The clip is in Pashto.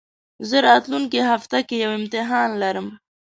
زه راتلونکي هفته کي يو امتحان لرم